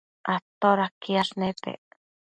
todaquiash nepec?